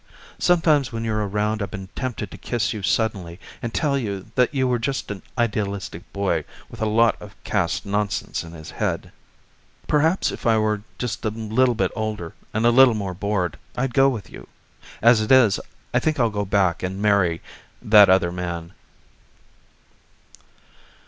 Sometimes when you're around I've been tempted to kiss you suddenly and tell you that you were just an idealistic boy with a lot of caste nonsense in his head. Perhaps if I were just a little bit older and a little more bored I'd go with you. As it is, I think I'll go back and marry that other man."